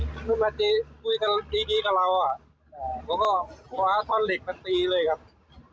เขาคุยกันดีดีกับเราอ่ะเขาก็ขวาท่อนเหล็กมาตีเลยครับ